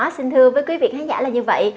xin thưa quý vị khán giả là như vậy